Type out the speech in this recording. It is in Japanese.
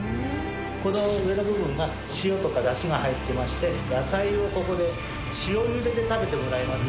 この上の部分が塩とかだしが入ってまして野菜をここで塩茹でで食べてもらいます。